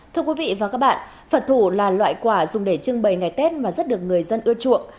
thưa quý vị và các bạn phật thủ là loại quả dùng để trưng bày ngày tết mà rất được người dân ưa chuộng